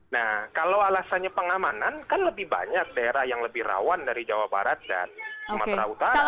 nah kalau alasannya pengamanan kan lebih banyak daerah yang lebih rawan dari jawa barat dan sumatera utara